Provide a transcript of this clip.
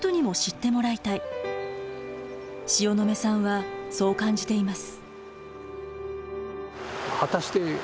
塩野目さんはそう感じています。